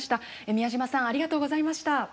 宮嶋さんありがとうございました。